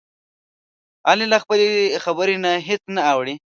علي له خپلې خبرې نه هېڅ نه اوړوي.